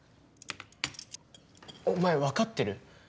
お前分かってる？